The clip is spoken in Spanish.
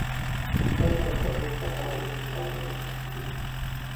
Fue el autor del "Tratado Elemental de Derecho Civil".